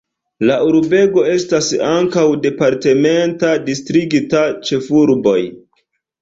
La urbego estas ankaŭ departementa distrikta ĉefurboj.